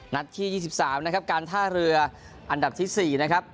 นัดที่ยี่สิบสามนะครับการท่าเรืออันดับที่สี่นะครับ